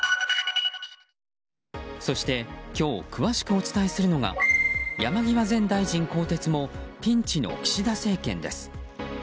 そして今日詳しくお伝えするのが山際前大臣更迭もピンチの岸田政権です。